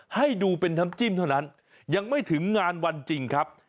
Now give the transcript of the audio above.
ให้ดูเป็นน้ำจิ้มเท่านั้นยังไม่ถึงงานวันจริงครับ